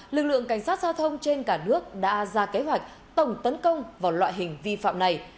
lực lượng cảnh sát giao thông trên cả nước đã ra kế hoạch tổng tấn công vào loại hình vi phạm này